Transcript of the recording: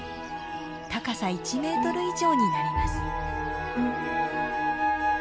高さ１メートル以上になります。